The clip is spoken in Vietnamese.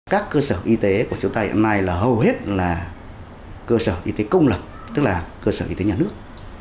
các cơ sở y tế của chúng ta hiện nay là hầu hết là cơ sở y tế công lập tức là cơ sở y tế nhà nước